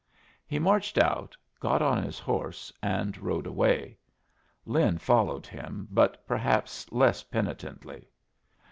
He marched out, got on his horse, and rode away. Lin followed him, but perhaps less penitently.